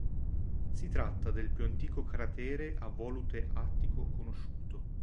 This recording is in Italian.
Si tratta del più antico cratere a volute attico conosciuto.